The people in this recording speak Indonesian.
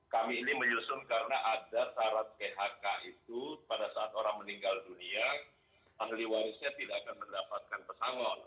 kami ini menyusun karena ada syarat phk itu pada saat orang meninggal dunia ahli warisnya tidak akan mendapatkan pesangon